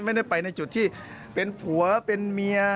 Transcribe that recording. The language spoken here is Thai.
ไม่ได้ไปในจุดที่เป็นผัวเป็นเมีย